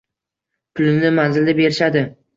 Pulini manzilda berishadi.